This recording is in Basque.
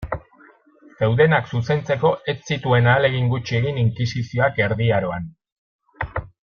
Zeudenak zuzentzeko ez zituen ahalegin gutxi egin inkisizioak Erdi Aroan.